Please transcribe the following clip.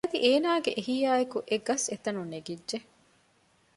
އަދި އޭނާގެ އެހީއާއެކު އެގަސް އެތަނުން ނެގިއްޖެ